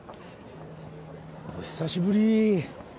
お久しぶり。